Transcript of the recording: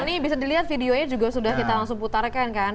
ini bisa dilihat videonya juga sudah kita langsung putarkan kan